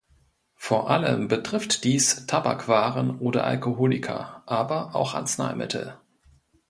Vor allem betrifft dies Tabakwaren oder Alkoholika, aber auch Arzneimittel.